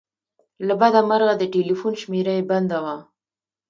له بده مرغه د ټیلیفون شمېره یې بنده وه.